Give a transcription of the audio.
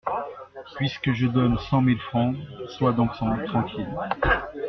Puisque je donne cent mille francs, sois donc tranquille.